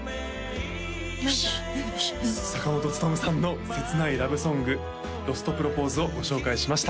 よし坂本つとむさんの切ないラブソング「ＬＯＳＴプロポーズ」をご紹介しました